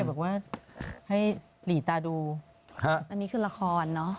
บอกว่าให้หลีตาดูอันนี้คือละครเนอะ